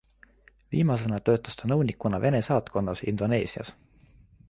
Viimasena töötas ta nõunikuna Vene saatkonnas Indoneesias.